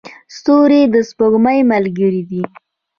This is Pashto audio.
ستوري د سپوږمۍ ملګري دي.